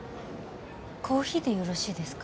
コーヒーでよろしいですか？